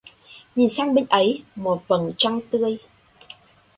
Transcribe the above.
Nhìn sang bên ấy một vầng trăng tươi.